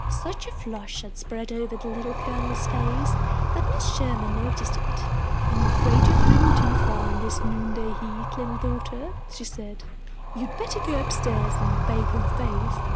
Such a flush had spread over the Little Colonel's face that Mrs. Sherman noticed it. "I am afraid you have ridden too far in this noonday heat, little daughter," she said. "You'd better go up stairs and bathe your face."